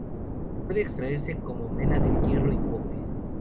Puede extraerse como mena del hierro y cobre.